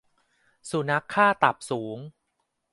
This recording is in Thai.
สุนัขค่าตับสูง